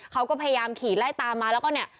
เขาก็พยายามขี่ไล่ตามมาแล้วก็เนี่ย